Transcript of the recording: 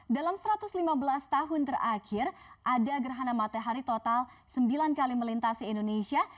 dalam satu ratus lima belas tahun terakhir ada gerhana matahari total sembilan kali melintasi indonesia